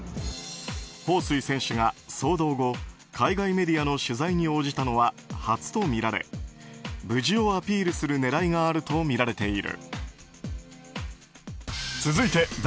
ホウ・スイ選手が騒動後海外メディアの取材に応じたのは初とみられ、無事をアピールする狙いがあるとみられている。